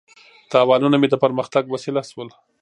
تاوانونه مې د پرمختګ وسیله شول.